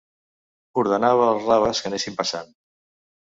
Ordenava els raves que anessin passant.